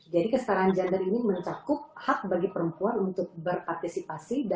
jadi kestaraan gender ini mencakup hak bagi perempuan untuk berpartisipasi dalam aksi nyata